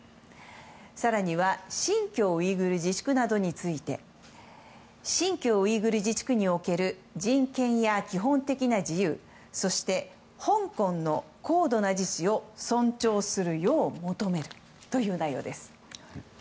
更には新疆ウイグル自治区などについて新疆ウイグル自治区における人権や基本的な自由そして香港の高度な自治を尊重するよう求めるという内容です。